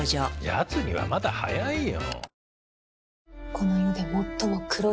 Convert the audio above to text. やつにはまだ早いよ。